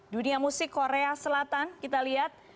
dunia musik korea selatan kita lihat